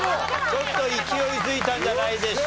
ちょっと勢いづいたんじゃないでしょうかね。